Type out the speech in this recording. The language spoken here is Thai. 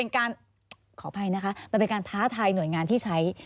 ขออภัยนะคะมันเป็นการท้าทายหน่วยงานที่ใช้